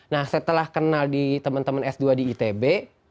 nah setelah kenal di teman teman s dua di itb